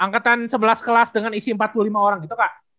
angkatan sebelas kelas dengan isi empat puluh lima orang gitu kak